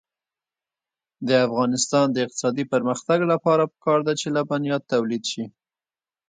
د افغانستان د اقتصادي پرمختګ لپاره پکار ده چې لبنیات تولید شي.